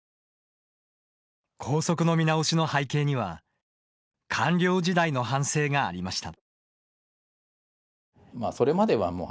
校則の見直しの背景には官僚時代の反省がありました。